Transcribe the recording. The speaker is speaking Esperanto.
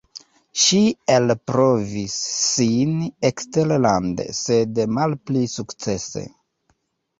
Ŝi elprovis sin eksterlande, sed malpli sukcese.